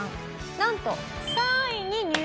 なんと３位に入賞します。